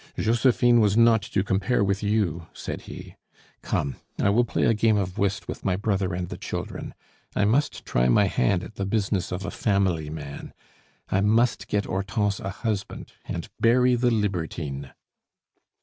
"Josephine was not to compare with you!" said he. "Come; I will play a game of whist with my brother and the children. I must try my hand at the business of a family man; I must get Hortense a husband, and bury the libertine."